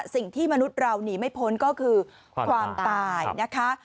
สิ่งที่มนุษย์เราหนีไม่พ้นก็คือความตายนะคะ